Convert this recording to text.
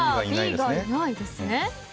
Ｂがいないですね。